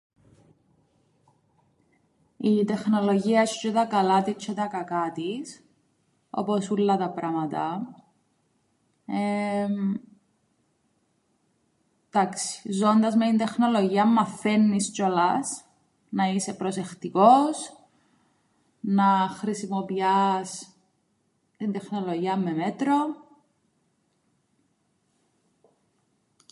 Η τεχνολογία έσ̆ ει τžαι τα καλά της τžαι τα κακά της, όπως ούλλα τα πράματα. 'Ντάξει, ζώντας με την τεχνολογία μαθαίννεις τžιόλας να είσαι προσεχτικός, να χρησιμοποιάς την τεχνολογίαν με μέτρον.